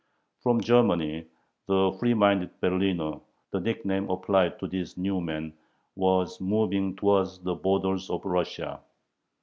From Germany the free minded "Berliner," the nickname applied to these "new men," was moving towards the borders of Russia.